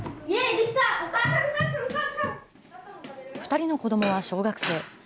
２人の子どもは小学生。